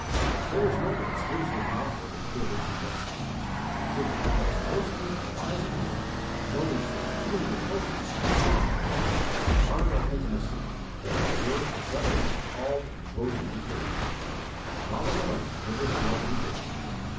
There is no exclusive monopoly of privilege and blessing. He that follows closely and abides in Him knows the peculiar closeness of contact, the honour of intimacy, that are reserved for such as are called and chosen and faithful, and follow the Lamb whithersoever He goeth.